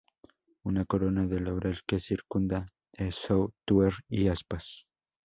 Una corona de laurel que circunda de sotuer y aspas.